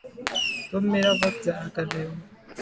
تم میرا وقت ضائع کر رہے ہو